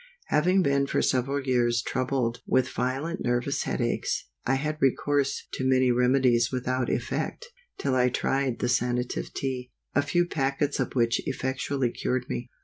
HAVING been for several years troubled with violent nervous head aches, I had recourse to many remedies without effect, till I tried the Sanative Tea, a few packets of which effectually cured me.